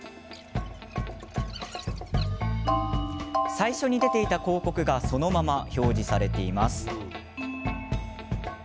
最初に出ていた広告がそのまま表示されています。